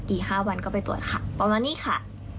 อีก๕วันก็ไปตรวจค่ะประมาณนี้ค่ะ